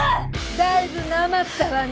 だいぶなまったわね